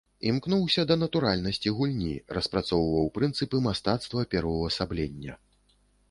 Імкнуўся да натуральнасці гульні, распрацоўваў прынцыпы мастацтва пераўвасаблення.